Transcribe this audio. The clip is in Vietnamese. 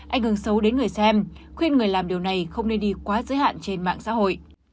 ảnh hưởng xấu đến người xem khuyên người làm điều này không nên đi quá giới hạn trên mạng xã hội